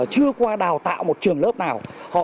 chưa qua đào tạo một trường lớp nào